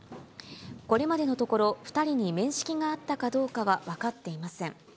これまでのところ、２人に面識があったかどうかは分かっていません。